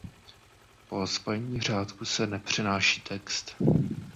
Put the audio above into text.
Po spojení řádků se nepřenáší text.